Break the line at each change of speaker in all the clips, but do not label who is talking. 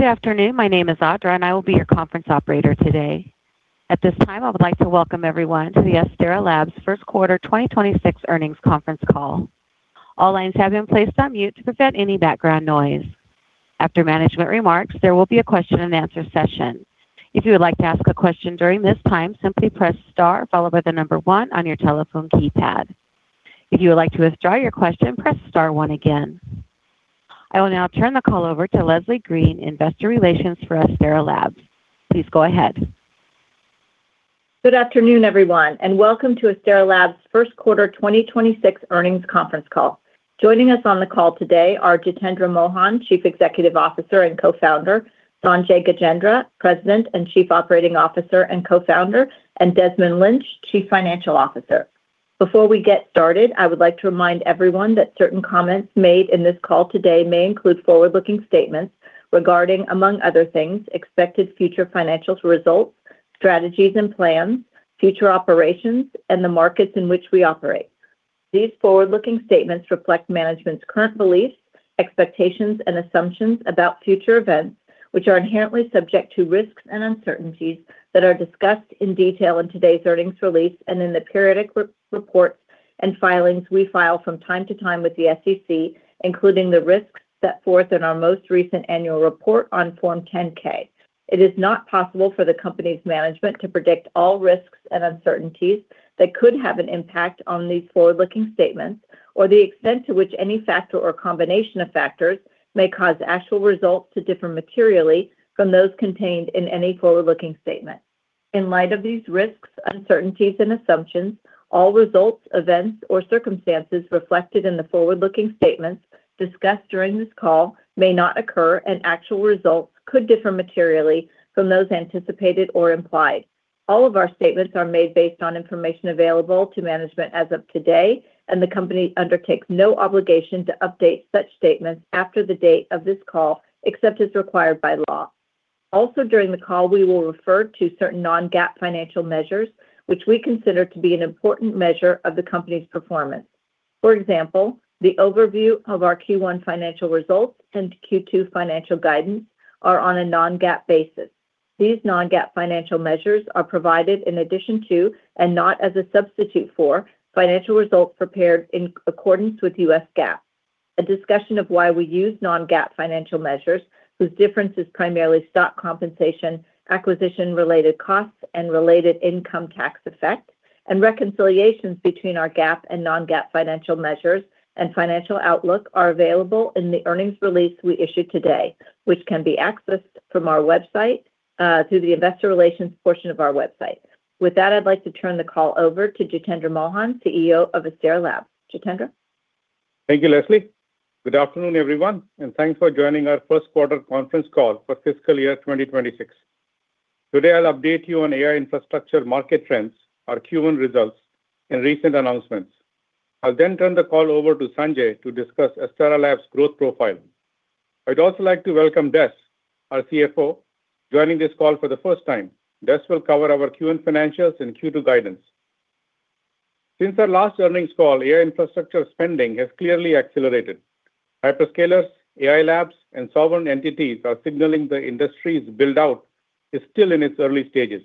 Good afternoon, my name is Audra, and I will be your conference operator today. At this time, I would like to welcome everyone to the Astera Labs Q1 2026 Earnings Conference Call. All lines have been placed on mute to prevent any background noise. After management remarks, there will be a question and answer session. If you would like to ask a question during this time simply press star followed by the number one on your telephone keypad. If you would like to withdraw your question press star one again. I will now turn the call over to Leslie Green, investor relations for Astera Labs. Please go ahead.
Good afternoon, everyone. Welcome to Astera Labs' Q1 2026 Earnings Conference Call. Joining us on the call today are Jitendra Mohan, Chief Executive Officer and Co-founder; Sanjay Gajendra, President and Chief Operating Officer and Co-founder; and Desmond Lynch, Chief Financial Officer. Before we get started, I would like to remind everyone that certain comments made in this call today may include forward-looking statements regarding, among other things, expected future financial results, strategies and plans, future operations, and the markets in which we operate. These forward-looking statements reflect management's current beliefs, expectations, and assumptions about future events, which are inherently subject to risks and uncertainties that are discussed in detail in today's earnings release and in the periodic reports and filings we file from time to time with the SEC, including the risks set forth in our most recent annual report on Form 10-K. It is not possible for the company's management to predict all risks and uncertainties that could have an impact on these forward-looking statements or the extent to which any factor or combination of factors may cause actual results to differ materially from those contained in any forward-looking statement. In light of these risks, uncertainties and assumptions, all results, events, or circumstances reflected in the forward-looking statements discussed during this call may not occur, and actual results could differ materially from those anticipated or implied. All of our statements are made based on information available to management as of today, and the company undertakes no obligation to update such statements after the date of this call, except as required by law. During the call, we will refer to certain non-GAAP financial measures which we consider to be an important measure of the company's performance. For example, the overview of our Q1 financial results and Q2 financial guidance are on a non-GAAP basis. These non-GAAP financial measures are provided in addition to, and not as a substitute for, financial results prepared in accordance with U.S. GAAP. A discussion of why we use non-GAAP financial measures, whose difference is primarily stock compensation, acquisition-related costs, and related income tax effects, and reconciliations between our GAAP and non-GAAP financial measures and financial outlook are available in the earnings release we issued today, which can be accessed from our website, through the investor relations portion of our website. With that, I'd like to turn the call over to Jitendra Mohan, CEO of Astera Labs. Jitendra?
Thank you, Leslie. Good afternoon, everyone. Thanks for joining our Q1 Conference Call for Fiscal Year 2026. Today, I'll update you on AI infrastructure market trends, our Q1 results, and recent announcements. I'll turn the call over to Sanjay to discuss Astera Labs' growth profile. I'd also like to welcome Des, our CFO, joining this call for the first time. Des will cover our Q1 financials and Q2 guidance. Since our last earnings call, AI infrastructure spending has clearly accelerated. Hyperscalers, AI labs, and sovereign entities are signaling the industry's build-out is still in its early stages,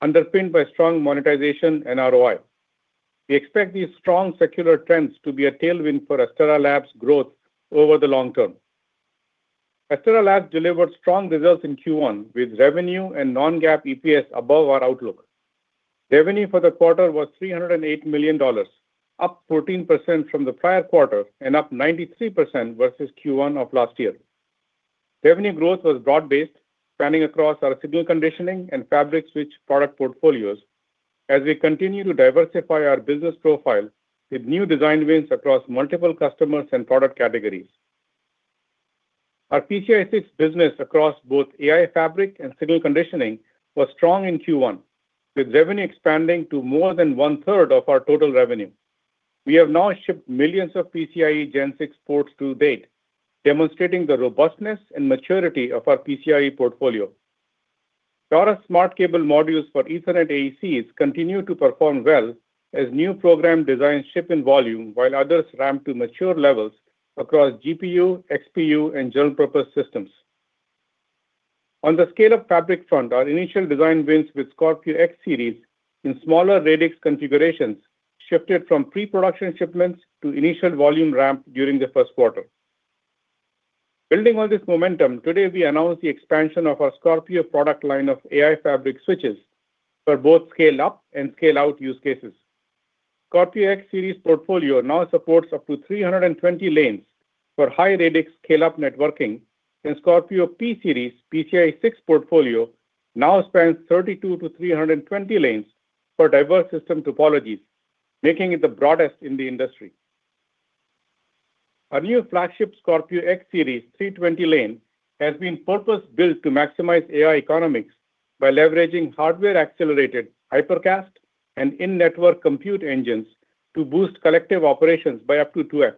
underpinned by strong monetization and ROI. We expect these strong secular trends to be a tailwind for Astera Labs' growth over the long term. Astera Labs delivered strong results in Q1, with revenue and non-GAAP EPS above our outlook. Revenue for the quarter was $308 million, up 14% from the prior quarter and up 93% versus Q1 of last year. Revenue growth was broad-based, spanning across our signal conditioning and fabric switch product portfolios as we continue to diversify our business profile with new design wins across multiple customers and product categories. Our PCIe 6.0 business across both AI fabric and signal conditioning was strong in Q1, with revenue expanding to more than one-third of our total revenue. We have now shipped millions of PCIe Gen 6 ports to date, demonstrating the robustness and maturity of our PCIe portfolio. Taurus' smart cable modules for Ethernet AECs continue to perform well as new program designs ship in volume while others ramp to mature levels across GPU, XPU, and general-purpose systems. On the scale-up fabric front, our initial design wins with Scorpio X Series in smaller radix configurations shifted from pre-production shipments to initial volume ramp during Q1. Building on this momentum, today we announce the expansion of our Scorpio product line of AI fabric switches for both scale-up and scale-out use cases. Scorpio X Series portfolio now supports up to 320 lanes for high radix scale-up networking, Scorpio P Series PCIe 6.0 portfolio now spans 32 to 320 lanes for diverse system topologies, making it the broadest in the industry. Our new flagship Scorpio X Series 320 lane has been purpose-built to maximize AI economics by leveraging hardware-accelerated Hypercast and in-network compute engines to boost collective operations by up to 2x.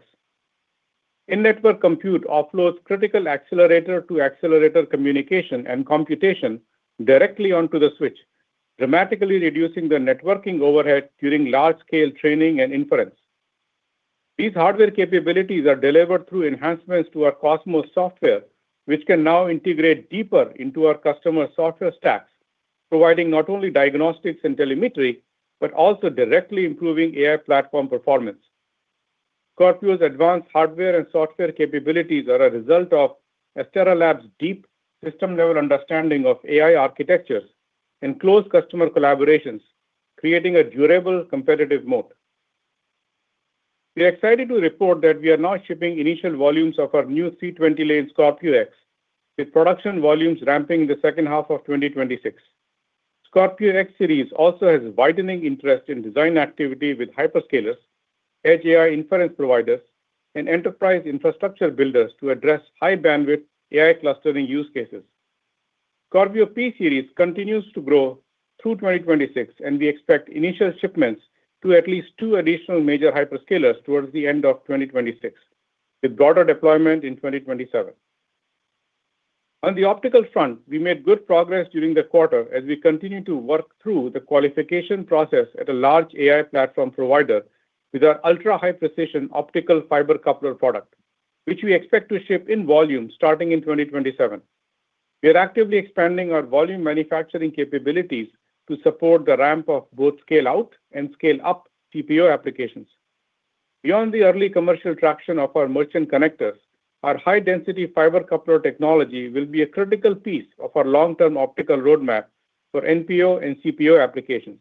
In-network compute offloads critical accelerator-to-accelerator communication and computation directly onto the switch, dramatically reducing the networking overhead during large-scale training and inference. These hardware capabilities are delivered through enhancements to our COSMOS software, which can now integrate deeper into our customer software stacks, providing not only diagnostics and telemetry, but also directly improving AI platform performance. Scorpio's advanced hardware and software capabilities are a result of Astera Labs' deep system-level understanding of AI architectures and close customer collaborations, creating a durable competitive mode. We are excited to report that we are now shipping initial volumes of our new 320-lane Scorpio X, with production volumes ramping in the H2 of 2026. Scorpio X-Series also has widening interest in design activity with hyperscalers, AI inference providers, and enterprise infrastructure builders to address high bandwidth AI clustering use cases. Scorpio P-Series continues to grow through 2026. We expect initial shipments to at least two additional major hyperscalers towards the end of 2026, with broader deployment in 2027. We made good progress during the quarter as we continue to work through the qualification process at a large AI platform provider with our ultra-high precision optical fiber coupler product, which we expect to ship in volume starting in 2027. We are actively expanding our volume manufacturing capabilities to support the ramp of both scale out and scale up CPO applications. Beyond the early commercial traction of our merchant connectors, our high-density fiber coupler technology will be a critical piece of our long-term optical roadmap for NPO and CPO applications.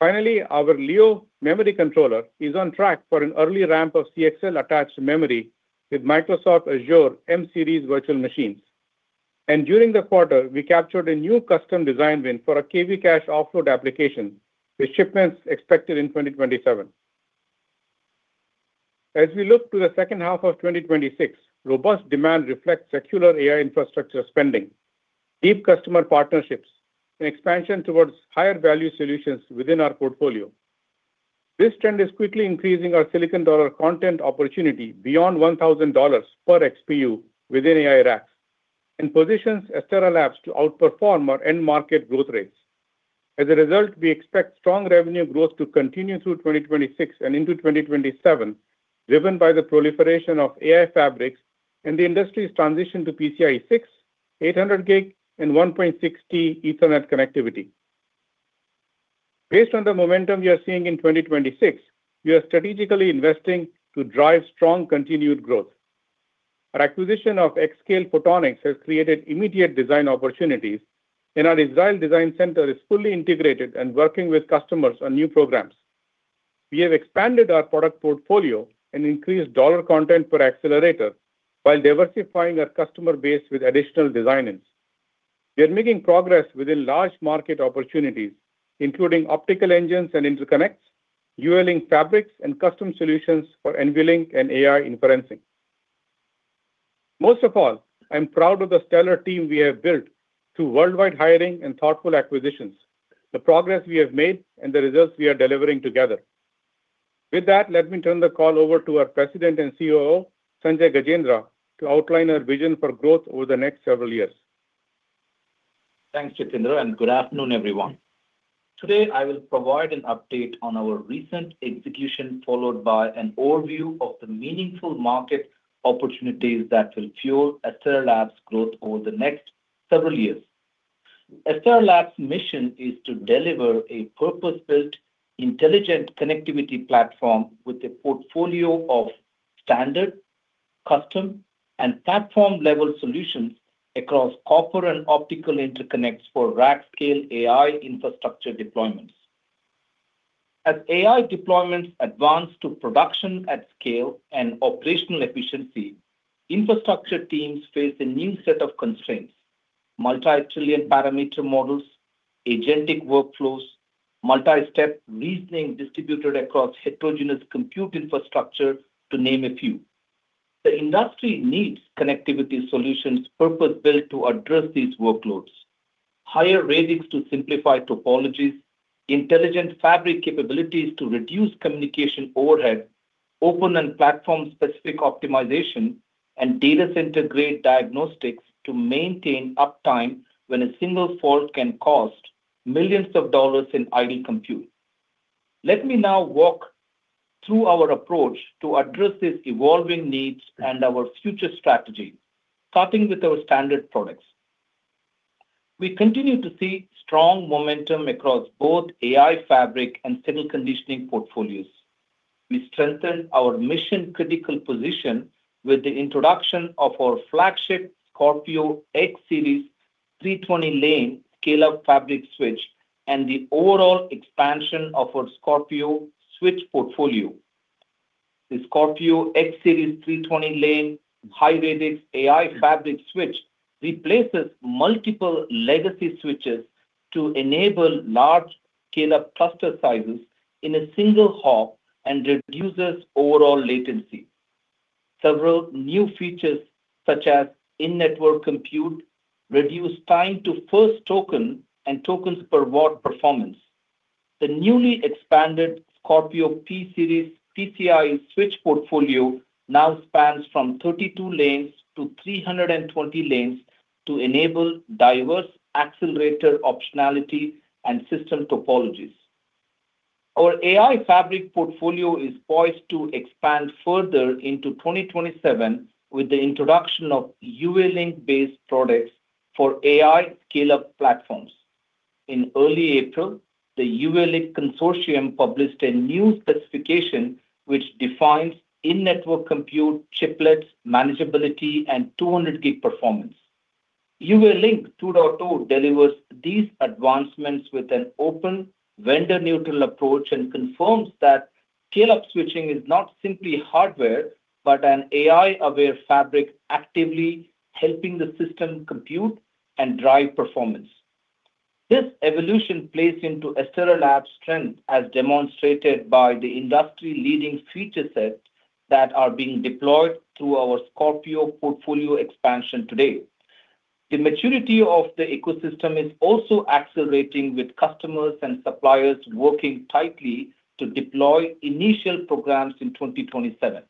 Finally, our Leo memory controller is on track for an early ramp of CXL-attached memory with Microsoft Azure M-series virtual machines. During the quarter, we captured a new custom design win for a KV cache offload application, with shipments expected in 2027. As we look to the H2 of 2026, robust demand reflects secular AI infrastructure spending, deep customer partnerships, and expansion towards higher value solutions within our portfolio. This trend is quickly increasing our silicon dollar content opportunity beyond $1,000 per XPU within AI racks and positions Astera Labs to outperform our end market growth rates. As a result, we expect strong revenue growth to continue through 2026 and into 2027, driven by the proliferation of AI fabrics and the industry's transition to PCIe 6, 800 gig and 1.6 T Ethernet connectivity. Based on the momentum we are seeing in 2026, we are strategically investing to drive strong continued growth. Our acquisition of aiXscale Photonics has created immediate design opportunities, and our Israel Design Center is fully integrated and working with customers on new programs. We have expanded our product portfolio and increased dollar content per accelerator while diversifying our customer base with additional design-ins. We are making progress within large market opportunities, including optical engines and interconnects, UALink fabrics, and custom solutions for NVLink and AI inferencing. Most of all, I'm proud of the stellar team we have built through worldwide hiring and thoughtful acquisitions, the progress we have made, and the results we are delivering together. With that, let me turn the call over to our President and COO, Sanjay Gajendra, to outline our vision for growth over the next several years.
Thanks, Jitendra, and good afternoon, everyone. Today, I will provide an update on our recent execution, followed by an overview of the meaningful market opportunities that will fuel Astera Labs' growth over the next several years. Astera Labs' mission is to deliver a purpose-built intelligent connectivity platform with a portfolio of standard, custom, and platform-level solutions across copper and optical interconnects for rack scale AI infrastructure deployments. As AI deployments advance to production at scale and operational efficiency, infrastructure teams face a new set of constraints. Multi-trillion parameter models, agentic workflows, multi-step reasoning distributed across heterogeneous compute infrastructure, to name a few. The industry needs connectivity solutions purpose-built to address these workloads. Higher radix to simplify topologies, intelligent fabric capabilities to reduce communication overhead, open and platform-specific optimization, and data center-grade diagnostics to maintain uptime when a single fault can cost millions of dollars in AI compute. Let me now walk through our approach to address these evolving needs and our future strategy, starting with our standard products. We continue to see strong momentum across both AI fabric and signal conditioning portfolios. We strengthened our mission-critical position with the introduction of our flagship Scorpio X-Series 320 lane scale-up fabric switch and the overall expansion of our Scorpio switch portfolio. The Scorpio X-Series 320 lane high-radix AI fabric switch replaces multiple legacy switches to enable large scale-up cluster sizes in a single hop and reduces overall latency. Several new features, such as in-network compute, reduce time to first token and tokens per watt performance. The newly expanded Scorpio P-Series PCIe switch portfolio now spans from 32 lanes to 320 lanes to enable diverse accelerator optionality and system topologies. Our AI fabric portfolio is poised to expand further into 2027 with the introduction of UALink-based products for AI scale-up platforms. In early April, the UALink Consortium published a new specification which defines in-network compute chiplets manageability and 200 gig performance. UALink 2.2 delivers these advancements with an open vendor-neutral approach and confirms that scale-up switching is not simply hardware but an AI-aware fabric actively helping the system compute and drive performance. This evolution plays into Astera Labs strength as demonstrated by the industry-leading feature set that are being deployed through our Scorpio portfolio expansion today. The maturity of the ecosystem is also accelerating with customers and suppliers working tightly to deploy initial programs in 2027.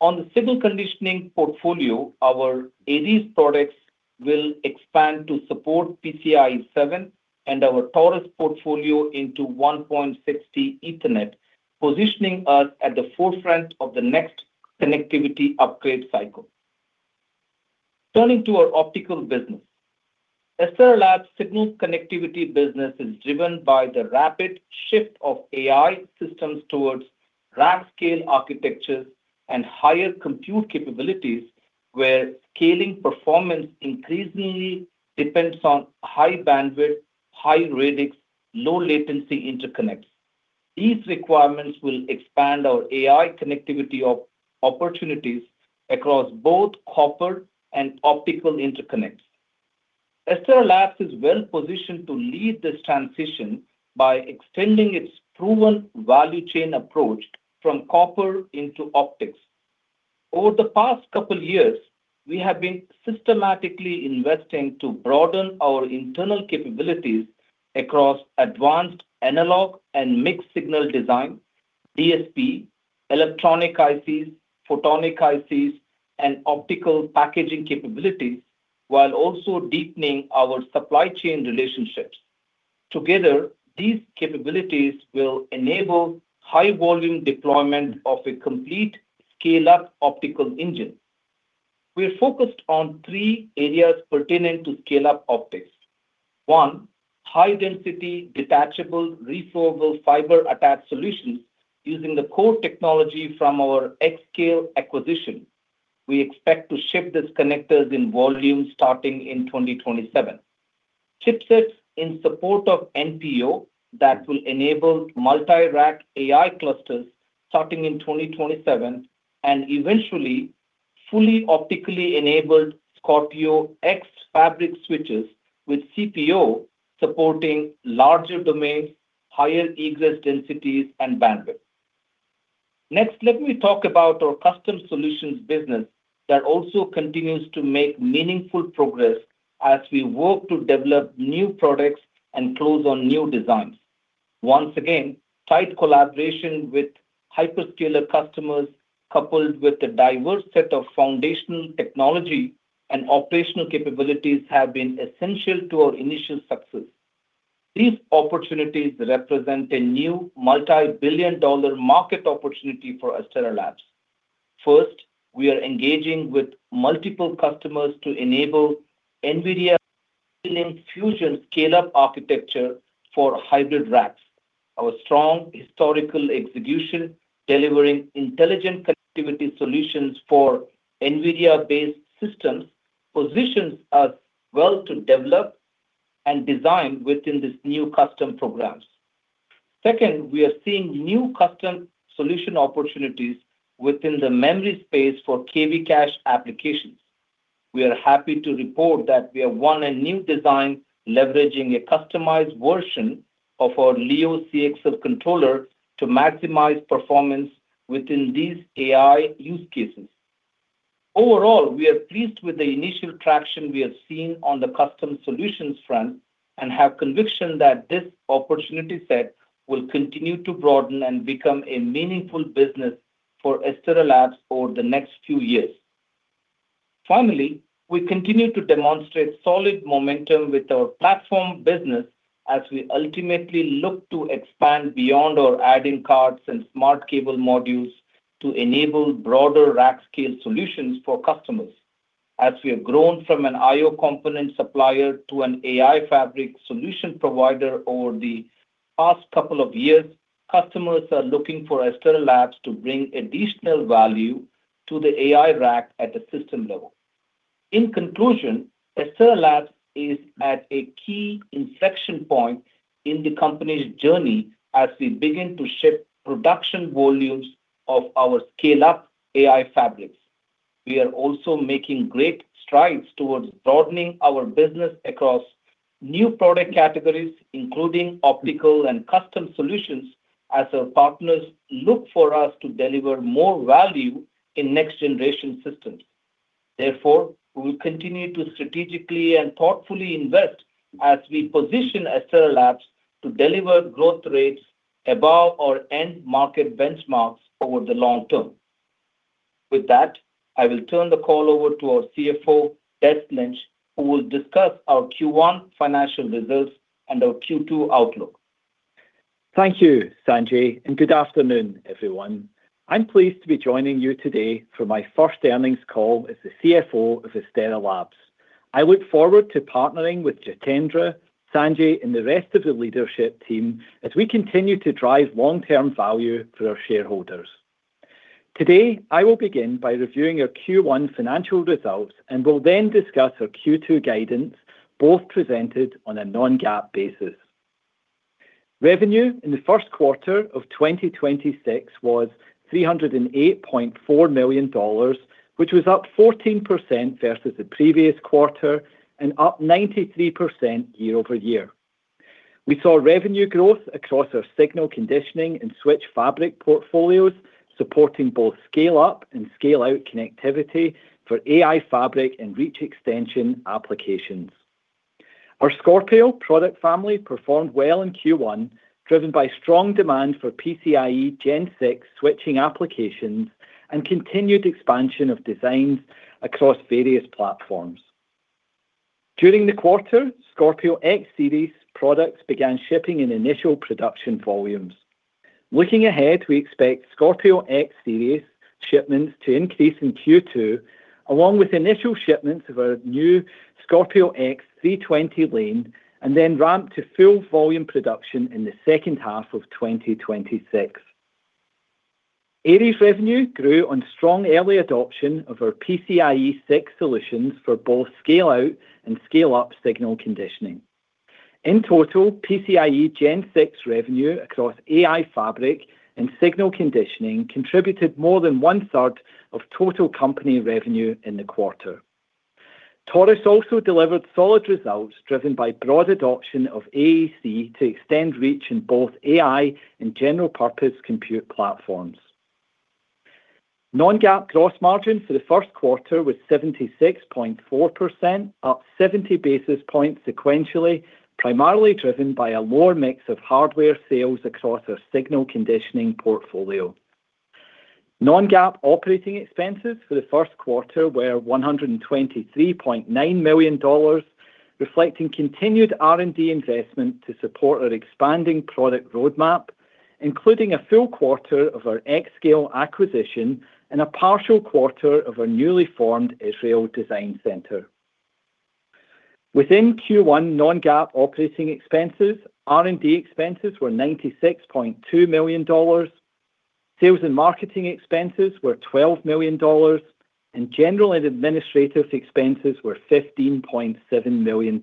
On the signal conditioning portfolio, our Aries products will expand to support PCIe 7.0 and our Taurus portfolio into 1.6T Ethernet, positioning us at the forefront of the next connectivity upgrade cycle. Turning to our optical business. Astera Labs signal connectivity business is driven by the rapid shift of AI systems towards rack scale architectures and higher compute capabilities, where scaling performance increasingly depends on high bandwidth, high radix, low latency interconnects. These requirements will expand our AI connectivity opportunities across both copper and optical interconnects. Astera Labs is well-positioned to lead this transition by extending its proven value chain approach from copper into optics. Over the past couple years, we have been systematically investing to broaden our internal capabilities across advanced analog and mixed signal design, DSP, electronic ICs, photonic ICs, and optical packaging capabilities while also deepening our supply chain relationships. Together, these capabilities will enable high volume deployment of a complete scale-up optical engine. We're focused on three areas pertaining to scale-up optics. One, high-density detachable reusable fiber attached solutions using the core technology from our Xscale acquisition. We expect to ship these connectors in volume starting in 2027. Chipsets in support of NPO that will enable multi-rack AI clusters starting in 2027, and eventually fully optically enabled Scorpio X fabric switches with CPO supporting larger domains, higher egress densities and bandwidth. Let me talk about our custom solutions business that also continues to make meaningful progress as we work to develop new products and close on new designs. Once again, tight collaboration with hyperscaler customers, coupled with a diverse set of foundational technology and operational capabilities have been essential to our initial success. These opportunities represent a new multi-billion dollar market opportunity for Astera Labs. First, we are engaging with multiple customers to enable NVIDIA Fusion scale-up architecture for hybrid racks. Our strong historical execution delivering intelligent connectivity solutions for NVIDIA-based systems positions us well to develop and design within these new custom programs. Second, we are seeing new custom solution opportunities within the memory space for KV cache applications. We are happy to report that we have won a new design leveraging a customized version of our Leo CXL controller to maximize performance within these AI use cases. Overall, we are pleased with the initial traction we have seen on the custom solutions front and have conviction that this opportunity set will continue to broaden and become a meaningful business for Astera Labs over the next few years. We continue to demonstrate solid momentum with our platform business as we ultimately look to expand beyond our add-in cards and Smart Cable Modules to enable broader rack scale solutions for customers. We have grown from an IO component supplier to an AI Fabric solution provider over the past couple of years, customers are looking for Astera Labs to bring additional value to the AI rack at the system level. Astera Labs is at a key inflection point in the company's journey as we begin to ship production volumes of our scale-up AI Fabrics. We are also making great strides towards broadening our business across new product categories, including optical and custom solutions as our partners look for us to deliver more value in next generation systems. Therefore, we will continue to strategically and thoughtfully invest as we position Astera Labs to deliver growth rates above our end market benchmarks over the long term. With that, I will turn the call over to our CFO, Desmond Lynch, who will discuss our Q1 financial results and our Q2 outlook.
Thank you, Sanjay. Good afternoon, everyone. I'm pleased to be joining you today for my first earnings call as the CFO of Astera Labs. I look forward to partnering with Jitendra, Sanjay, and the rest of the leadership team as we continue to drive long-term value for our shareholders. Today, I will begin by reviewing our Q1 financial results, will then discuss our Q2 guidance, both presented on a non-GAAP basis. Revenue in Q1 of 2026 was $308.4 million, which was up 14% versus the previous quarter and up 93% year-over-year. We saw revenue growth across our signal conditioning and switch fabric portfolios, supporting both scale up and scale out connectivity for AI fabric and reach extension applications. Our Scorpio product family performed well in Q1, driven by strong demand for PCIe Gen 6 switching applications and continued expansion of designs across various platforms. During the quarter, Scorpio X-Series products began shipping in initial production volumes. Looking ahead, we expect Scorpio X-Series shipments to increase in Q2, along with initial shipments of our new Scorpio X 320 lane, then ramp to full volume production in the H2 of 2026. Aries revenue grew on strong early adoption of our PCIe 6 solutions for both scale out and scale up signal conditioning. In total, PCIe Gen 6 revenue across AI fabric and signal conditioning contributed more than one-third of total company revenue in the quarter. Taurus also delivered solid results driven by broad adoption of AEC to extend reach in both AI and general purpose compute platforms. Non-GAAP gross margin for Q1 was 76.4%, up 70 basis points sequentially, primarily driven by a lower mix of hardware sales across our signal conditioning portfolio. Non-GAAP operating expenses for Q1 were $123.9 million, reflecting continued R&D investment to support our expanding product roadmap, including a full quarter of our Xscale acquisition and a partial quarter of our newly formed Israel Design Center. Within Q1 non-GAAP operating expenses, R&D expenses were $96.2 million, sales and marketing expenses were $12 million, and general and administrative expenses were $15.7 million.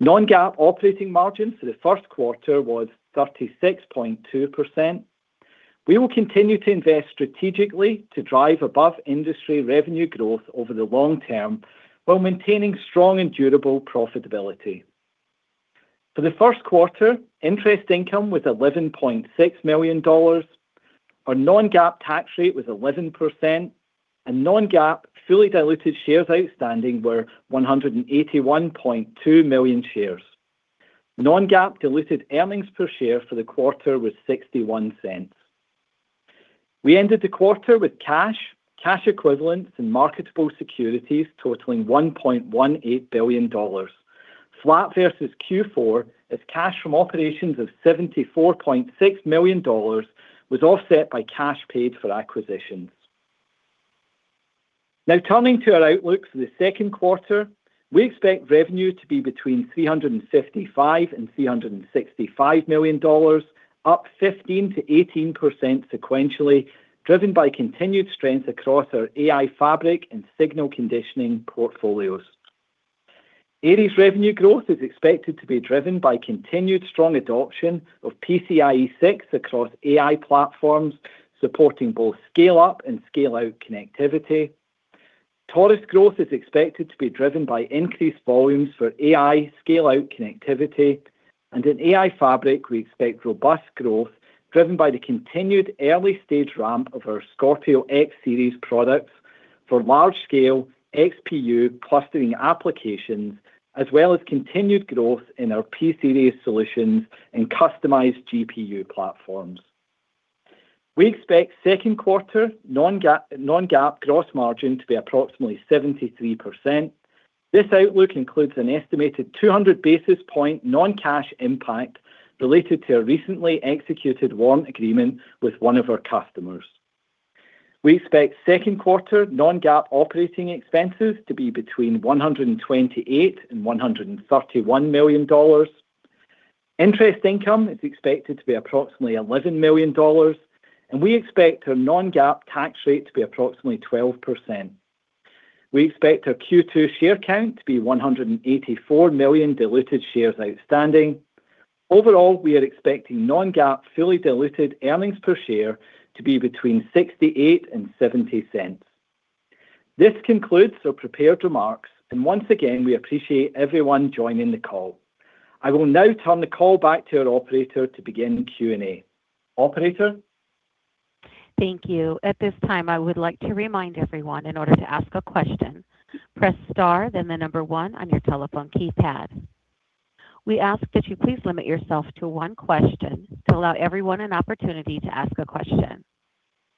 Non-GAAP operating margins for Q1 was 36.2%. We will continue to invest strategically to drive above-industry revenue growth over the long term while maintaining strong and durable profitability. For Q1, interest income was $11.6 million. Our non-GAAP tax rate was 11%, and non-GAAP fully diluted shares outstanding were 181.2 million shares. Non-GAAP diluted earnings per share for the quarter was $0.61. We ended the quarter with cash equivalents, and marketable securities totaling $1.18 billion, flat versus Q4 as cash from operations of $74.6 million was offset by cash paid for acquisitions. Now turning to our outlook for the Q2. We expect revenue to be between $355 million and $365 million, up 15%-18% sequentially, driven by continued strength across our AI fabric and signal conditioning portfolios. Aries revenue growth is expected to be driven by continued strong adoption of PCIe 6.0 across AI platforms, supporting both scale up and scale out connectivity. Taurus growth is expected to be driven by increased volumes for AI scale out connectivity. In AI fabric, we expect robust growth driven by the continued early-stage ramp of our Scorpio X-Series products for large-scale XPU clustering applications, as well as continued growth in our P-Series solutions and customized GPU platforms. We expect Q2 non-GAAP gross margin to be approximately 73%. This outlook includes an estimated 200 basis point non-cash impact related to a recently executed warrant agreement with one of our customers. We expect Q2 non-GAAP operating expenses to be between $128 million and $131 million. Interest income is expected to be approximately $11 million. We expect our non-GAAP tax rate to be approximately 12%. We expect our Q2 share count to be 184 million diluted shares outstanding. Overall, we are expecting non-GAAP fully diluted earnings per share to be between $0.68 and $0.70. This concludes our prepared remarks. Once again, we appreciate everyone joining the call. I will now turn the call back to our operator to begin the Q&A. Operator?
Thank you. At this time, I would like to remind everyone, in order to ask a question, press star then the number one on your telephone keypad. We ask that you please limit yourself to one question to allow everyone an opportunity to ask a question.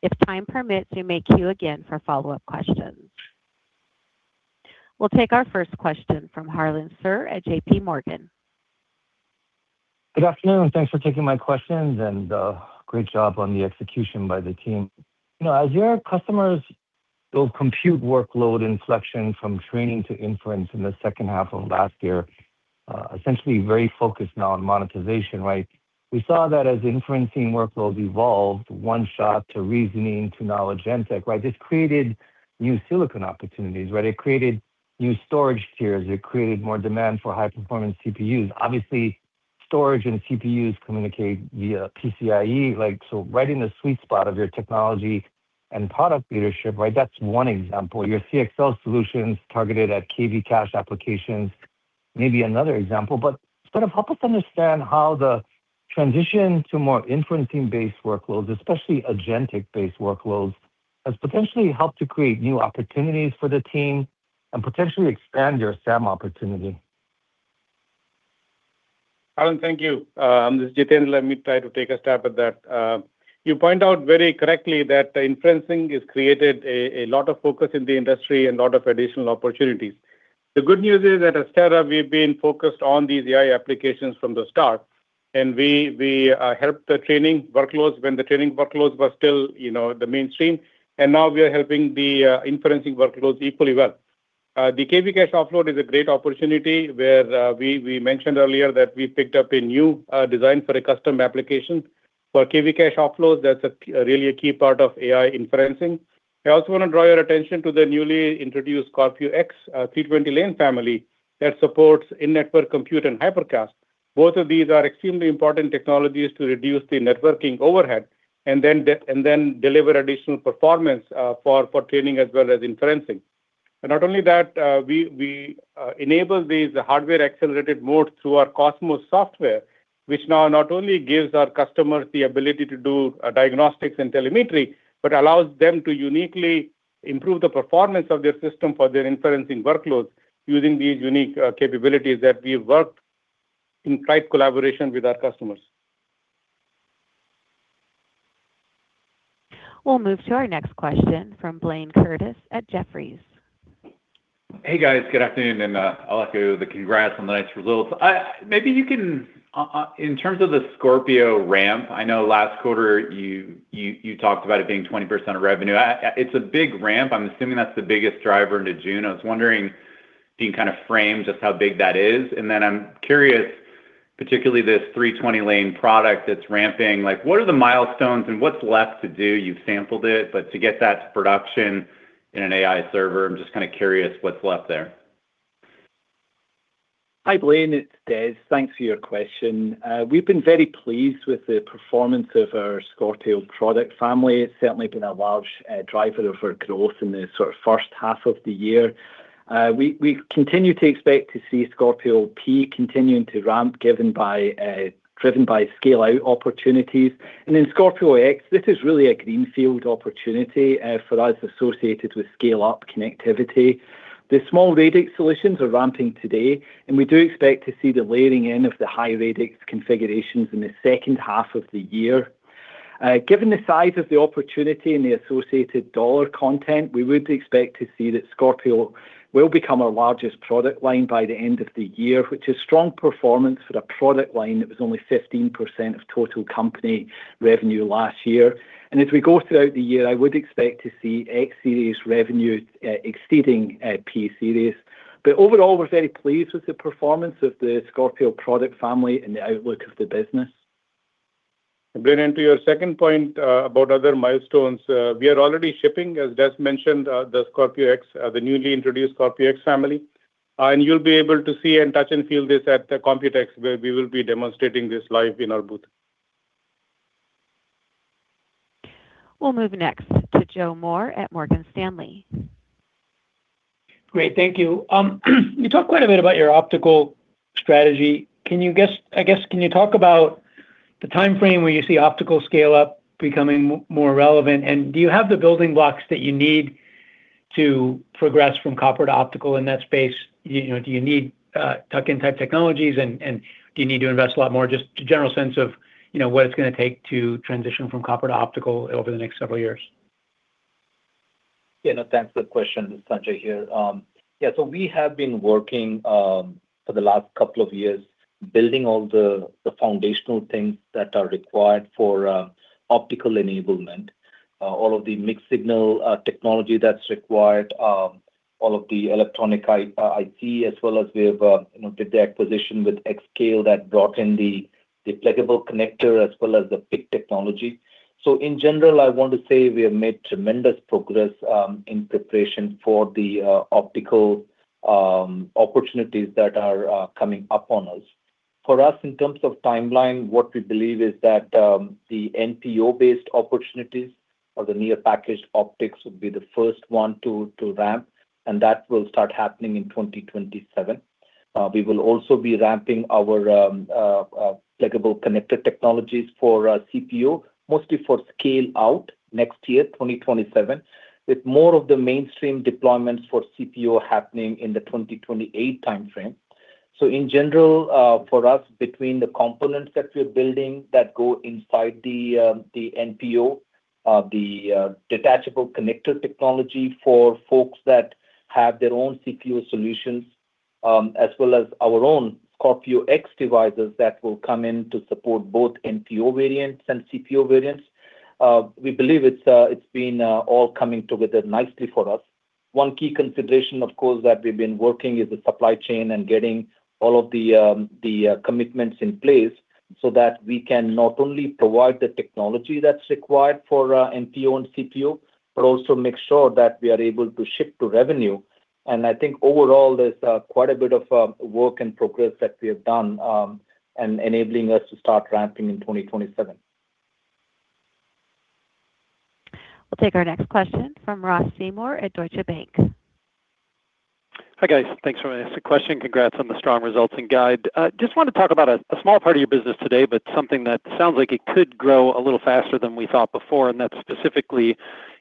If time permits, we may queue again for follow-up questions. We will take our first question from Harlan Sur at J.P. Morgan.
Good afternoon, and thanks for taking my questions, and great job on the execution by the team. You know, as your customers build compute workload inflection from training to inference in the H2 of last year, essentially very focused now on monetization, right? We saw that as inferencing workloads evolved, one shot to reasoning to knowledge ntech, right? This created new silicon opportunities, right? It created new storage tiers. It created more demand for high-performance CPUs. Obviously, storage and CPUs communicate via PCIe, like, so right in the sweet spot of your technology and product leadership, right? That's one example. Your CXL solutions targeted at KV cache applications may be another example. Sort of help us understand how the transition to more inferencing-based workloads, especially agentic-based workloads, has potentially helped to create new opportunities for the team and potentially expand your SAM opportunity.
Harlan, thank you. This is Jiten. Let me try to take a stab at that. You point out very correctly that the inferencing has created a lot of focus in the industry and a lot of additional opportunities. The good news is at Astera, we've been focused on these AI applications from the start, and we helped the training workloads when the training workloads were still, you know, the mainstream. Now we are helping the inferencing workloads equally well. The KV cache offload is a great opportunity where we mentioned earlier that we picked up a new design for a custom application. For KV cache offloads, that's really a key part of AI inferencing. I also wanna draw your attention to the newly introduced Scorpio X, 320 lane family that supports in-network compute and Hypercast. Both of these are extremely important technologies to reduce the networking overhead and then deliver additional performance for training as well as inferencing. Not only that, we enable these hardware-accelerated modes through our COSMOS software, which now not only gives our customers the ability to do diagnostics and telemetry but allows them to uniquely improve the performance of their system for their inferencing workloads using these unique capabilities that we've worked in tight collaboration with our customers.
We'll move to our next question from Blayne Curtis at Jefferies.
Hey, guys. Good afternoon, and, I'll echo the congrats on the nice results. Maybe you can, in terms of the Scorpio ramp, I know last quarter you talked about it being 20% of revenue. It's a big ramp. I'm assuming that's the biggest driver into June. I was wondering, can you kind of frame just how big that is? I'm curious, particularly this 320 lane product that's ramping, like, what are the milestones, and what's left to do? You've sampled it, but to get that to production in an AI server, I'm just kind of curious what's left there.
Hi, Blayne. It's Des. Thanks for your question. We've been very pleased with the performance of our Scorpio product family. It's certainly been a large driver of our growth in the sort of H1 of the year. We continue to expect to see Scorpio P continuing to ramp, driven by scale-out opportunities. Scorpio X, this is really a greenfield opportunity for us associated with scale-up connectivity. The small radix solutions are ramping today, and we do expect to see the layering in of the high radix configurations in the H2 of the year. Given the size of the opportunity and the associated dollar content, we would expect to see that Scorpio will become our largest product line by the end of the year, which is strong performance for a product line that was only 15% of total company revenue last year. As we go throughout the year, I would expect to see X-Series revenue, exceeding, P-Series. Overall, we're very pleased with the performance of the Scorpio product family and the outlook of the business.
Blayne, into your second point, about other milestones, we are already shipping, as Des mentioned, the Scorpio X, the newly introduced Scorpio X family. You'll be able to see and touch and feel this at the Computex, where we will be demonstrating this live in our booth.
We'll move next to Joseph Moore at Morgan Stanley.
Great. Thank you. You talked quite a bit about your optical strategy. I guess, can you talk about the timeframe where you see optical scale-up becoming more relevant? Do you have the building blocks that you need to progress from copper to optical in that space? You know, do you need tuck-in type technologies, and do you need to invest a lot more? Just a general sense of, you know, what it's gonna take to transition from copper to optical over the next several years.
Yeah. No, thanks for the question. Sanjay here. We have been working for the last couple of years building all the foundational things that are required for optical enablement, all of the mixed signal technology that's required, all of the electronic IT, as well as we have, you know, did the acquisition with Xscale that brought in the pluggable connector as well as the PIC technology. In general, I want to say we have made tremendous progress in preparation for the optical opportunities that are coming up on us. For us, in terms of timeline, what we believe is that the NPO-based opportunities or the near package optics would be the first one to ramp, and that will start happening in 2027. We will also be ramping our pluggable connected technologies for CPO, mostly for scale out next year, 2027, with more of the mainstream deployments for CPO happening in the 2028 timeframe. In general, for us, between the components that we're building that go inside the NPO, the detachable connector technology for folks that have their own CPO solutions, as well as our own Scorpio X devices that will come in to support both NPO variants and CPO variants. We believe it's been all coming together nicely for us. One key consideration, of course, that we've been working is the supply chain and getting all of the commitments in place so that we can not only provide the technology that's required for NPO and CPO, but also make sure that we are able to ship to revenue. I think overall, there's quite a bit of work and progress that we have done, and enabling us to start ramping in 2027.
We'll take our next question from Ross Seymore at Deutsche Bank.
Hi, guys. Thanks for taking this question. Congrats on the strong results and guide. I just want to talk about a small part of your business today, but something that sounds like it could grow a little faster than we thought before, and that's specifically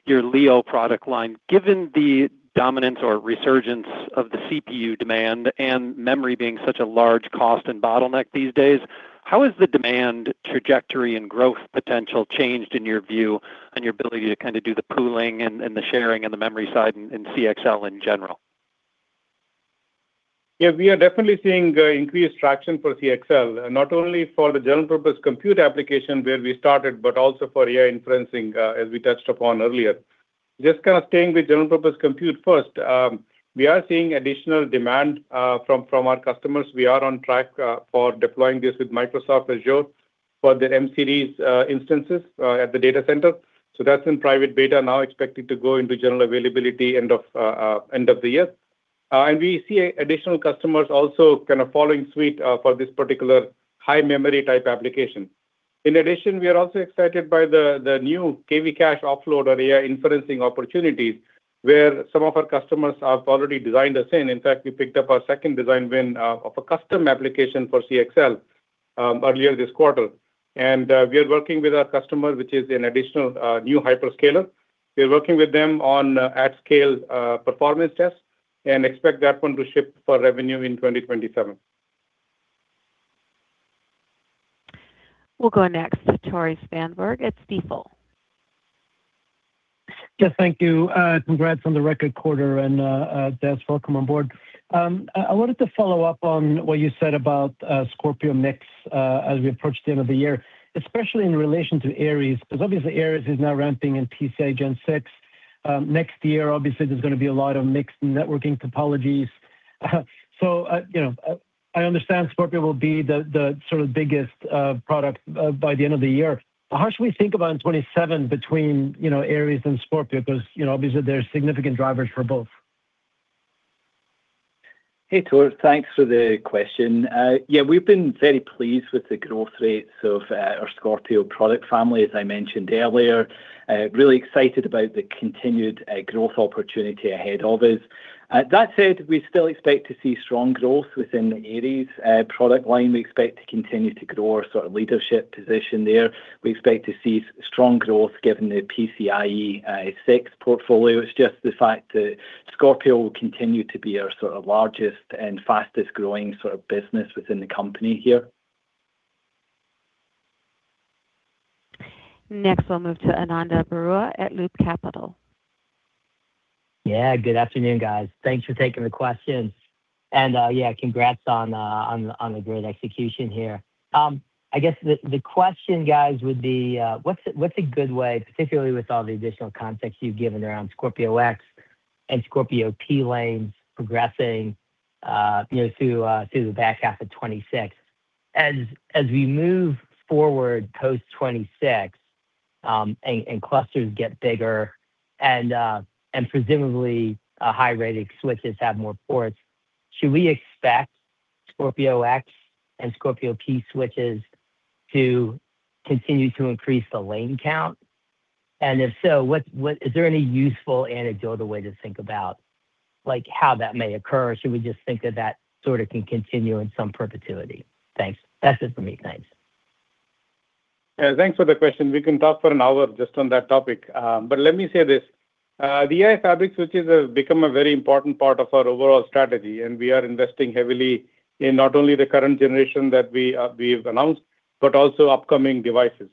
your Leo product line. Given the dominance or resurgence of the CPU demand and memory being such a large cost and bottleneck these days, how has the demand trajectory and growth potential changed in your view and your ability to kind of do the pooling and the sharing on the memory side in CXL in general?
Yeah, we are definitely seeing increased traction for CXL, not only for the general purpose compute application where we started, but also for AI inferencing, as we touched upon earlier. Just kind of staying with general purpose compute first, we are seeing additional demand from our customers. We are on track for deploying this with Microsoft Azure for their M-series instances at the data center. That's in private beta now, expected to go into general availability end of the year. We see additional customers also kind of following suit for this particular high memory type application. In addition, we are also excited by the new KV cache offload or AI inferencing opportunities, where some of our customers have already designed the same. In fact, we picked up our second design win of a custom application for CXL earlier this quarter. We are working with our customer, which is an additional new hyperscaler. We're working with them on at scale performance test and expect that one to ship for revenue in 2027.
We'll go next to Tore Svanberg at Stifel.
Yes, thank you. Congrats on the record quarter and Des, welcome on board. I wanted to follow up on what you said about Scorpio mix as we approach the end of the year, especially in relation to Aries, because obviously, Aries is now ramping in PCIe Gen 6. Next year, obviously, there's gonna be a lot of mixed networking topologies. You know, I understand Scorpio will be the sort of biggest product by the end of the year. How should we think about in 2027 between, you know, Aries and Scorpio? You know, obviously, there are significant drivers for both.
Hey, Tore. Thanks for the question. Yeah, we've been very pleased with the growth rates of our Scorpio product family, as I mentioned earlier. Really excited about the continued growth opportunity ahead of us. That said, we still expect to see strong growth within the Aries product line. We expect to continue to grow our sort of leadership position there. We expect to see strong growth given the PCIe 6 portfolio. It's just the fact that Scorpio will continue to be our sort of largest and fastest growing sort of business within the company here.
Next, we'll move to Ananda Baruah at Loop Capital.
Yeah, good afternoon, guys. Thanks for taking the question. Congrats on the great execution here. I guess the question, guys, would be what's a good way, particularly with all the additional context you've given around Scorpio X and Scorpio P lanes progressing, you know, through the back half of 2026. As we move forward post 2026, and clusters get bigger and presumably high rate switches have more ports, should we expect Scorpio X and Scorpio P switches to continue to increase the lane count? If so, is there any useful anecdotal way to think about like how that may occur? Should we just think of that sort of can continue in some perpetuity? Thanks. That's it for me. Thanks.
Thanks for the question. We can talk for an hour just on that topic. Let me say this, the AI fabric switches have become a very important part of our overall strategy, and we are investing heavily in not only the current generation that we've announced, but also upcoming devices.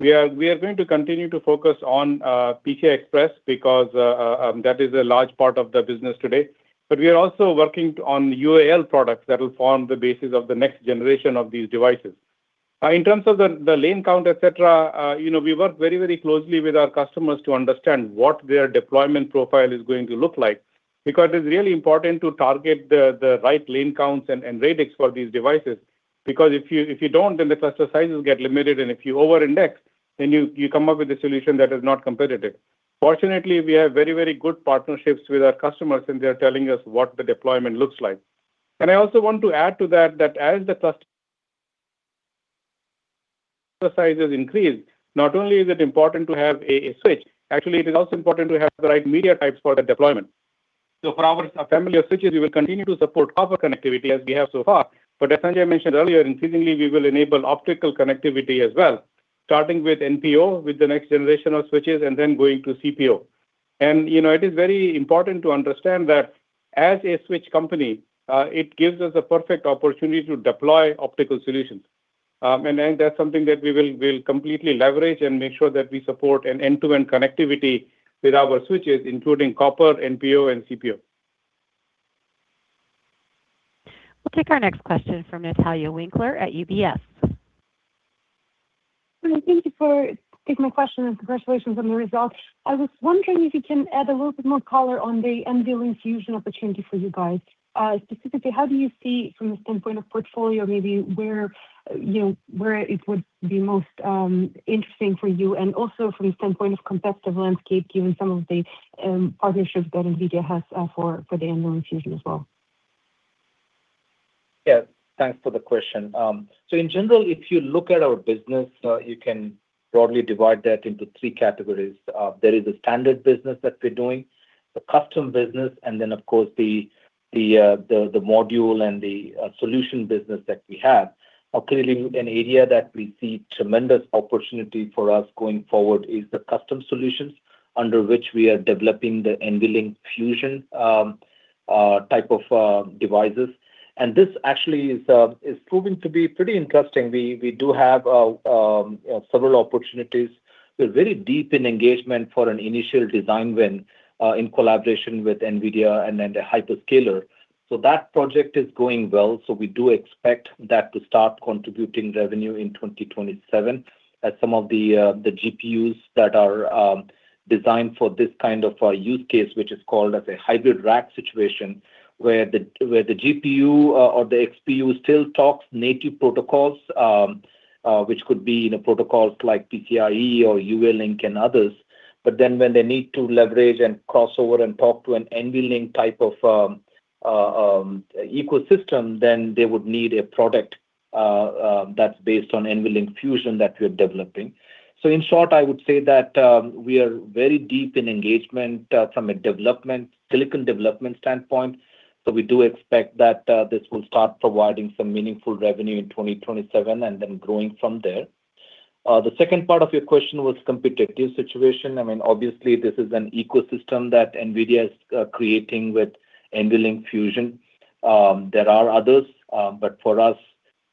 We are going to continue to focus on PCI Express because that is a large part of the business today. We are also working on UAL products that will form the basis of the next generation of these devices. In terms of the lane count, et cetera, you know, we work very, very closely with our customers to understand what their deployment profile is going to look like, because it's really important to target the right lane counts and radix for these devices. Because if you don't, then the cluster sizes get limited, and if you over-index, then you come up with a solution that is not competitive. Fortunately, we have very, very good partnerships with our customers, and they are telling us what the deployment looks like. As sizes increased, not only is it important to have a switch, actually, it is also important to have the right media types for the deployment. For our family of switches, we will continue to support copper connectivity as we have so far. As Sanjay mentioned earlier, increasingly we will enable optical connectivity as well, starting with NPO with the next generation of switches going to CPO. You know, it is very important to understand that as a switch company, it gives us a perfect opportunity to deploy optical solutions. That's something that we'll completely leverage and make sure that we support an end-to-end connectivity with our switches, including copper, NPO and CPO.
We'll take our next question from Natalia Winkler at UBS.
Thank you for taking my question, and congratulations on the results. I was wondering if you can add a little bit more color on the NVLink Fusion opportunity for you guys. Specifically, how do you see from the standpoint of portfolio, maybe where, you know, where it would be most interesting for you and also from the standpoint of competitive landscape, given some of the partnerships that NVIDIA has for the NVLink Fusion as well?
Thanks for the question. In general, if you look at our business, you can broadly divide that into three categories. There is a standard business that we're doing, the custom business, and then of course, the module and the solution business that we have. Clearly an area that we see tremendous opportunity for us going forward is the custom solutions under which we are developing the NVLink Fusion type of devices. This actually is proving to be pretty interesting. We do have several opportunities. We're very deep in engagement for an initial design win in collaboration with NVIDIA and then the hyperscaler. That project is going well. We do expect that to start contributing revenue in 2027 as some of the GPUs that are designed for this kind of use case, which is called as a hybrid rack situation, where the GPU or the XPU still talks native protocols, which could be in a protocol like PCIe or UALink and others. When they need to leverage and cross over and talk to an NVLink type of ecosystem, then they would need a product that's based on NVLink Fusion that we're developing. In short, I would say that we are very deep in engagement from a development, silicon development standpoint. We do expect that this will start providing some meaningful revenue in 2027 and then growing from there. The second part of your question was competitive situation. I mean, obviously, this is an ecosystem that NVIDIA is creating with NVLink Fusion. There are others, but for us,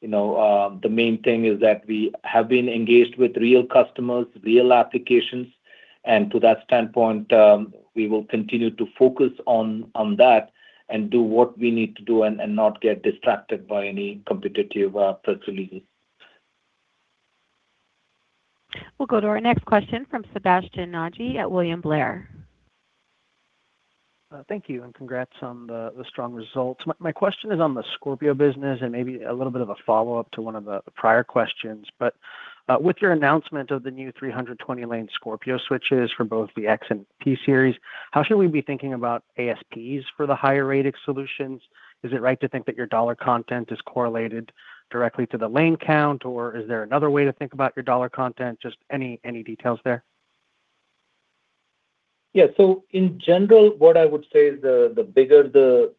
you know, the main thing is that we have been engaged with real customers, real applications, and to that standpoint, we will continue to focus on that and do what we need to do and not get distracted by any competitive festivities.
We'll go to our next question from Sebastien Naji at William Blair.
Thank you, and congrats on the strong results. My question is on the Scorpio business and maybe a little bit of a follow-up to one of the prior questions. With your announcement of the new 320 lane Scorpio switches for both the X and T series, how should we be thinking about ASPs for the higher rated solutions? Is it right to think that your dollar content is correlated directly to the lane count, or is there another way to think about your dollar content? Just any details there.
Yeah. In general, what I would say is the bigger the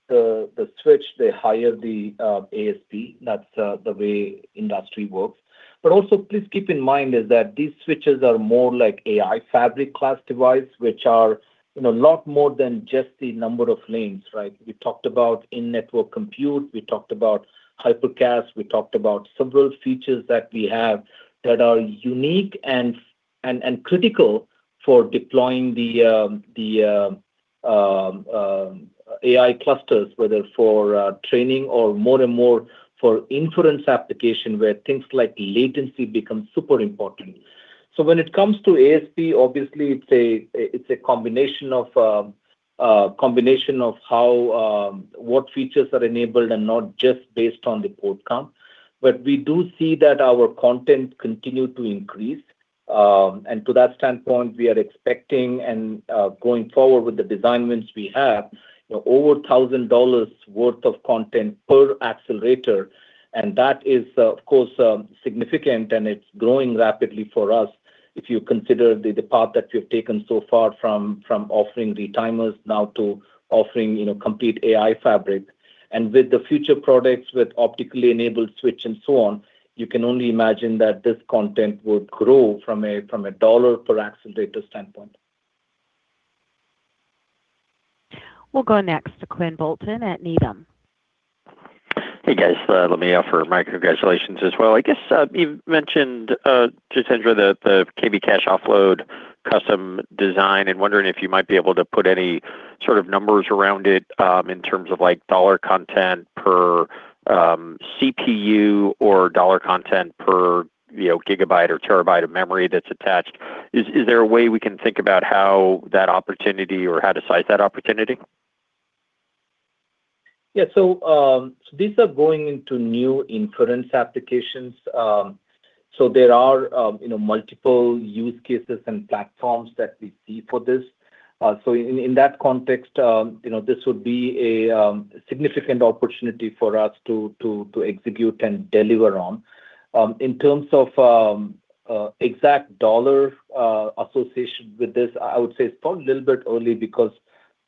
switch, the higher the ASP. That's the way industry works. Also, please keep in mind is that these switches are more like AI fabric class device, which are, you know, a lot more than just the number of lanes, right? We talked about in-network compute, we talked about Hypercast, we talked about several features that we have that are unique and critical for deploying the AI clusters, whether for training or more and more for inference application where things like latency become super important. When it comes to ASP, obviously it's a combination of how what features are enabled and not just based on the port count. We do see that our content continues to increase. To that standpoint, we are expecting and, going forward with the design wins we have, you know, over $1,000 worth of content per accelerator. That is, of course, significant, and it's growing rapidly for us. If you consider the path that we've taken so far from offering retimers now to offering, you know, complete AI fabric. With the future products with optically enabled switch and so on, you can only imagine that this content would grow from a dollar per accelerator standpoint.
We'll go next to Quinn Bolton at Needham.
Hey, guys. Let me offer my congratulations as well. I guess, you mentioned Jitendra Mohan the KV cache offload custom design. I'm wondering if you might be able to put any sort of numbers around it, in terms of like dollar content per CPU or dollar content per, you know, gigabyte or terabyte of memory that's attached. Is there a way we can think about how that opportunity or how to size that opportunity?
Yeah. These are going into new inference applications. There are, you know, multiple use cases and platforms that we see for this. In that context, you know, this would be a significant opportunity for us to execute and deliver on. In terms of exact dollar association with this, I would say it's probably a little bit early because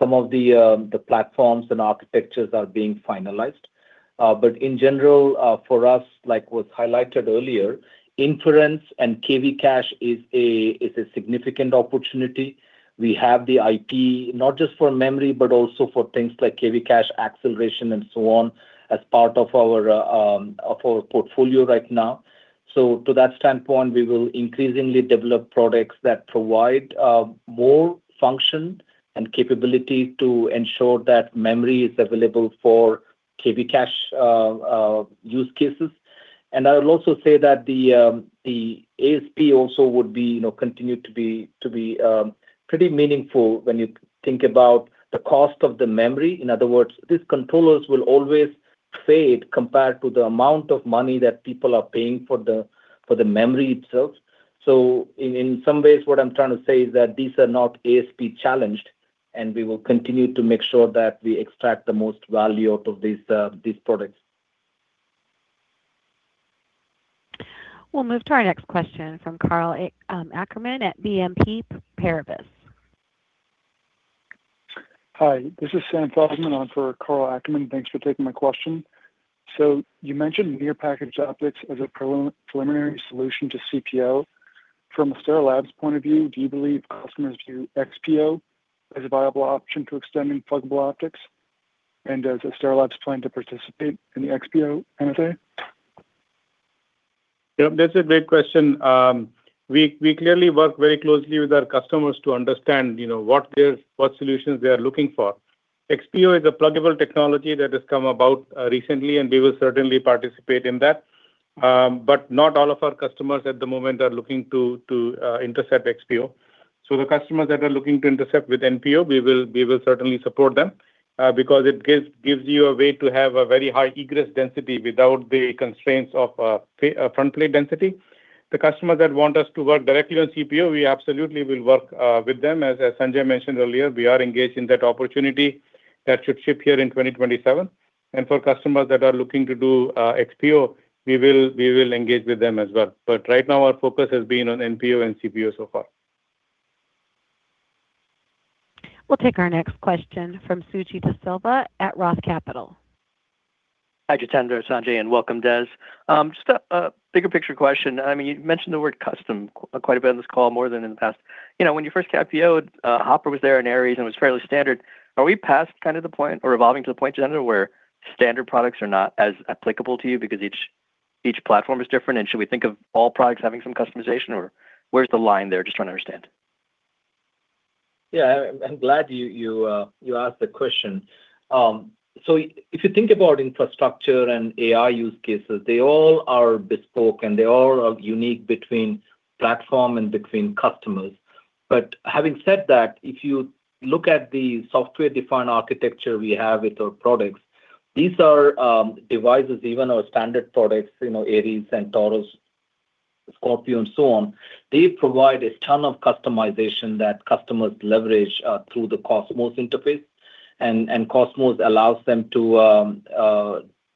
some of the platforms and architectures are being finalized. In general, for us, like was highlighted earlier, inference and KV cache is a significant opportunity. We have the IP, not just for memory, but also for things like KV cache acceleration and so on, as part of our portfolio right now. To that standpoint, we will increasingly develop products that provide more function and capability to ensure that memory is available for KV cache use cases. I would also say that the ASP also would be, you know, continue to be pretty meaningful when you think about the cost of the memory. In other words, these controllers will always fade compared to the amount of money that people are paying for the memory itself. In some ways, what I'm trying to say is that these are not ASP-challenged, and we will continue to make sure that we extract the most value out of these products.
We'll move to our next question from Karl Ackerman at BNP Paribas.
Hi, this is Sam Feldman on for Karl Ackerman. Thanks for taking my question. You mentioned near package optics as a preliminary solution to CPO. From a Astera Labs point of view, do you believe customers view XPO as a viable option to extending pluggable optics? Does Astera Labs plan to participate in the XPO MSA?
Yeah, that's a great question. We clearly work very closely with our customers to understand, you know, what solutions they are looking for. XPO is a pluggable technology that has come about recently. We will certainly participate in that. Not all of our customers at the moment are looking to intercept XPO. The customers that are looking to intercept with NPO, we will certainly support them because it gives you a way to have a very high egress density without the constraints of front plate density. The customers that want us to work directly on CPO, we absolutely will work with them. As Sanjay mentioned earlier, we are engaged in that opportunity that should ship here in 2027. For customers that are looking to do XPO, we will engage with them as well. Right now, our focus has been on NPO and CPO so far.
We'll take our next question from Suji DeSilva at Roth Capital.
Hi, Jitendra, Sanjay, welcome, Des. Just a bigger picture question. I mean, you mentioned the word custom quite a bit on this call, more than in the past. You know, when you first got IPO'd, Hopper was there and Aries, and it was fairly standard. Are we past kind of the point or evolving to the point, Jitendra, where standard products are not as applicable to you because each platform is different? Should we think of all products having some customization, or where's the line there? Just trying to understand.
Yeah, I'm glad you asked the question. If you think about infrastructure and AI use cases, they all are bespoke, and they all are unique between platform and between customers. Having said that, if you look at the software-defined architecture we have with our products, these are devices, even our standard products, you know, Aries and Taurus, Scorpio and so on, they provide a ton of customization that customers leverage through the COSMOS interface. COSMOS allows them to,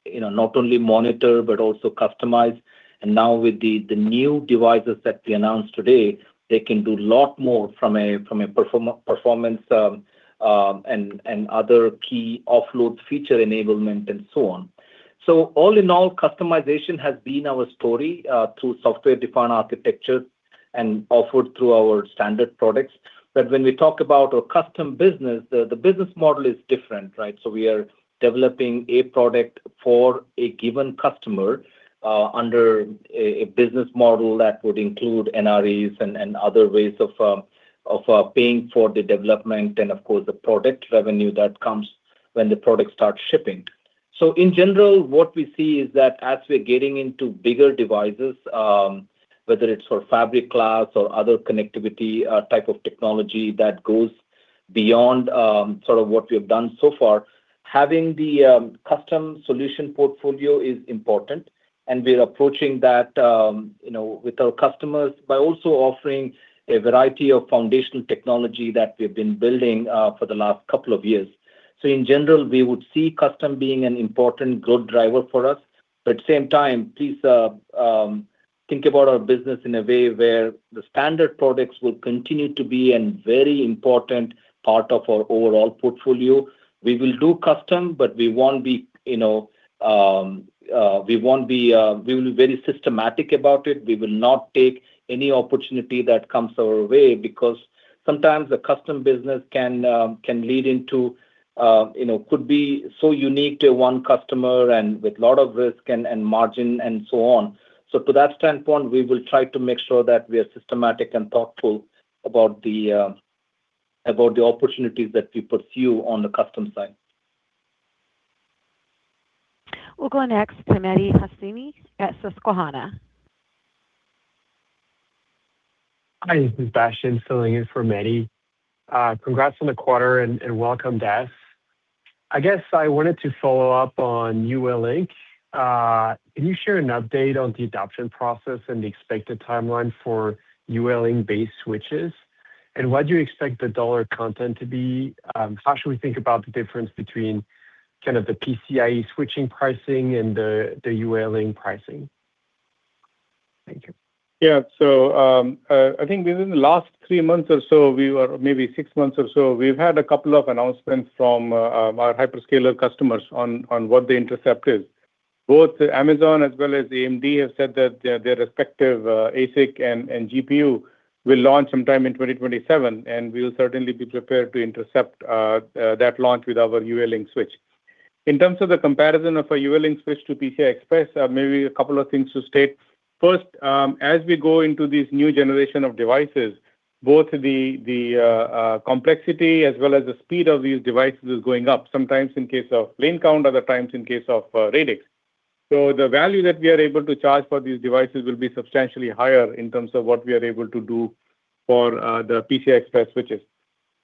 you know, not only monitor but also customize. Now with the new devices that we announced today, they can do lot more from a performance and other key offload feature enablement and so on. All in all, customization has been our story through software-defined architecture and offered through our standard products. When we talk about our custom business, the business model is different. We are developing a product for a given customer under a business model that would include NRE and other ways of paying for the development and of course the product revenue that comes when the product starts shipping. In general, what we see is that as we're getting into bigger devices, whether it's for fabric class or other connectivity type of technology that goes beyond sort of what we have done so far, having the custom solution portfolio is important. We're approaching that, you know, with our customers by also offering a variety of foundational technology that we've been building for the last couple of years. In general, we would see custom being an important growth driver for us. At the same time, please think about our business in a way where the standard products will continue to be a very important part of our overall portfolio. We will do custom, we will be very systematic about it. We will not take any opportunity that comes our way because sometimes the custom business can lead into, you know, could be so unique to one customer and with lot of risk and margin and so on. To that standpoint, we will try to make sure that we are systematic and thoughtful about the opportunities that we pursue on the custom side.
We'll go next to Mehdi Hosseini at Susquehanna.
Hi, this is Bastian filling in for Mehdi. Congrats on the quarter and welcome, Des. I guess I wanted to follow up on UALink. Can you share an update on the adoption process and the expected timeline for UALink based switches? What do you expect the dollar content to be? How should we think about the difference between kind of the PCIe switching pricing and the UALink pricing? Thank you.
I think within the last three months or so, maybe six months or so, we've had a couple of announcements from our hyperscaler customers on what the intercept is. Both Amazon as well as AMD have said that their respective ASIC and GPU will launch sometime in 2027, we'll certainly be prepared to intercept that launch with our UALink switch. In terms of the comparison of a UALink switch to PCIe, maybe a couple of things to state. First, as we go into this new generation of devices, both the complexity as well as the speed of these devices is going up sometimes in case of lane count, other times in case of radix. The value that we are able to charge for these devices will be substantially higher in terms of what we are able to do for the PCIe switches.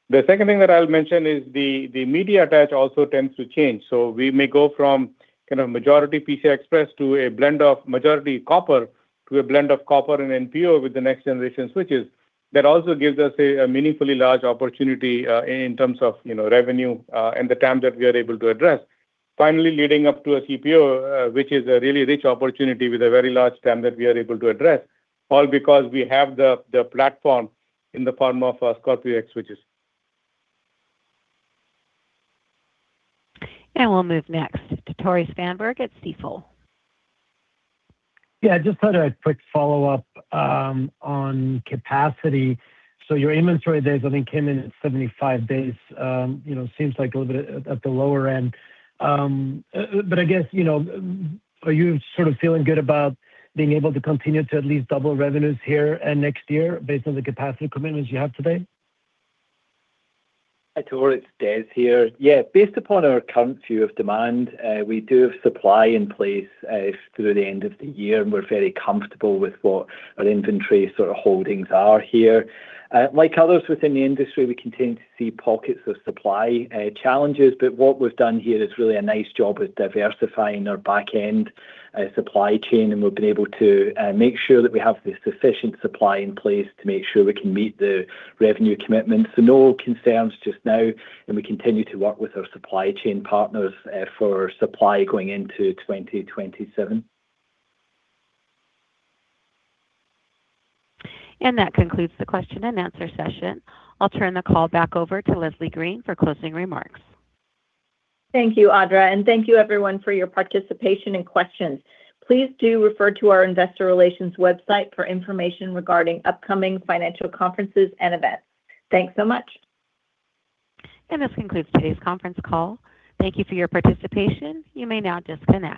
The second thing that I'll mention is the media attach also tends to change. We may go from kind of majority PCIe to a blend of majority copper to a blend of copper and NPO with the next generation switches. That also gives us a meaningfully large opportunity in terms of, you know, revenue and the TAM that we are able to address. Finally, leading up to a CPO, which is a really rich opportunity with a very large TAM that we are able to address, all because we have the platform in the form of Scorpio X switches.
We'll move next to Tore Svanberg at Stifel.
Just sort a quick follow-up on capacity. Your inventory days, I think, came in at 75 days. You know, seems like a little bit at the lower end. I guess, you know, are you sort of feeling good about being able to continue to at least double revenues here and next year based on the capacity commitments you have today?
Hi, Tore. It's Des here. Based upon our current view of demand, we do have supply in place through the end of the year, and we're very comfortable with what our inventory sort of holdings are here. Like others within the industry, we continue to see pockets of supply challenges, but what we've done here is really a nice job with diversifying our back end supply chain, and we've been able to make sure that we have the sufficient supply in place to make sure we can meet the revenue commitments. No concerns just now, and we continue to work with our supply chain partners for supply going into 2027.
That concludes the question and answer session. I'll turn the call back over to Leslie Green for closing remarks.
Thank you, Audra, and thank you everyone for your participation and questions. Please do refer to our investor relations website for information regarding upcoming financial conferences and events. Thanks so much.
This concludes today's conference call. Thank you for your participation. You may now disconnect.